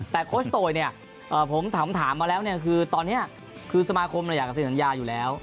แต่โค้ชโต๋ยผมถามมาแล้วคือตอนนี้คือสมาคมอยากจะสินสัญญาอยู่แล้ว